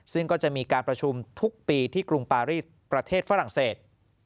ซึ่งก็จะมีการประชุมทุกปีที่กรุงปารีสประเทศฝรั่งเศส